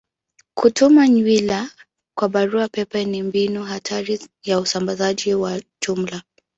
Kutuma nywila kwa barua pepe ni mbinu hatari ya usambazaji kwa ujumla.